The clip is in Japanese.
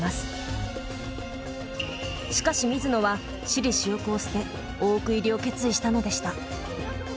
しかし水野は私利私欲を捨て大奥入りを決意したのでした。